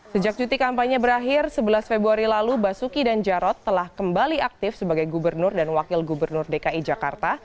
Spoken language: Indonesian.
sejak cuti kampanye berakhir sebelas februari lalu basuki dan jarod telah kembali aktif sebagai gubernur dan wakil gubernur dki jakarta